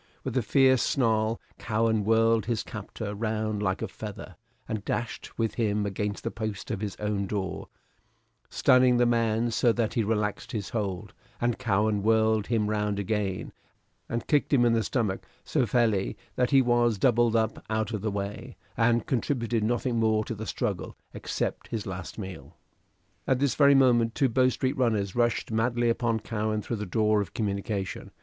With a fierce snarl Cowen whirled his captor round like a feather, and dashed with him against the post of his own door, stunning the man so that he relaxed his hold, and Cowen whirled him round again, and kicked him in the stomach so felly that he was doubled up out of the way, and contributed nothing more to the struggle except his last meal. At this very moment two Bow Street runners rushed madly upon Cowen through the door of communication.